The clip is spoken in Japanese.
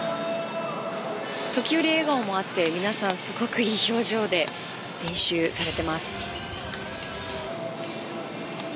時折、笑顔もあって皆さんいい表情で練習をされています。